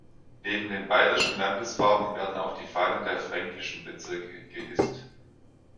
Neben den bayerischen Landesfarben werden auch die Fahnen der fränkischen Bezirke gehisst.